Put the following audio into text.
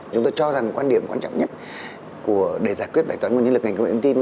chúng tôi cho rằng quan điểm quan trọng nhất để giải quyết bài toán nguồn nhân lực ngành công nghệ thông tin